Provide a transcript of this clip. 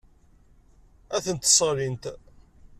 Ad tent-sseɣlint.